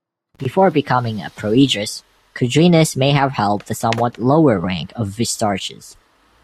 Before becoming a proedros, Kedrenos may have held the somewhat lower rank of vestarches.